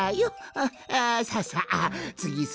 ああさあさつぎす